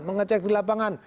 mengacak di lapangan